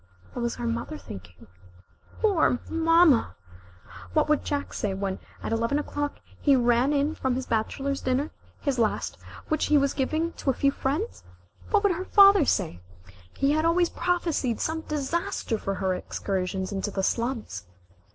What was her mother thinking? Poor mama! What would Jack say, when, at eleven o'clock, he ran in from his bachelor's dinner his last which he was giving to a few friends? What would her father say? He had always prophesied some disaster for her excursions into the slums.